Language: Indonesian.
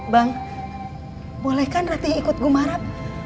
bang boleh kan ratih ikut gue marah